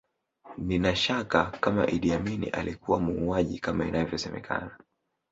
Nina shaka kama Idi Amin alikuwa muuaji kama inavyosemekana